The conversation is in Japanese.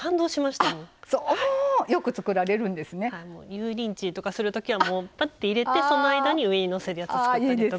油淋鶏とかするときはもうパッと入れてその間に上にのせるやつ作ったりとか。